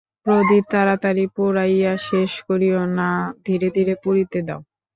প্রদীপ তাড়াতাড়ি পুড়াইয়া শেষ করিও না, ধীরে ধীরে পুড়িতে দাও।